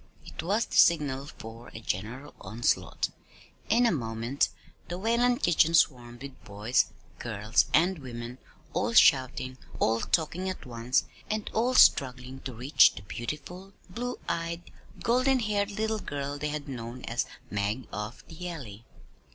It was the signal for a general onslaught. In a moment the Whalen kitchen swarmed with boys, girls, and women, all shouting, all talking at once, and all struggling to reach the beautiful, blue eyed, golden haired little girl they had known as "Mag of the Alley."